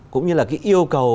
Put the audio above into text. cũng như là cái yêu cầu